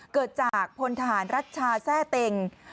เกิดจากพลทหารรัชชาแทร่เต็ง